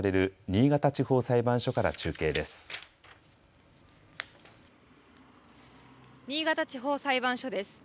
新潟地方裁判所です。